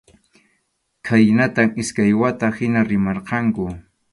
Khaynatam iskay wata hina rimarqanku.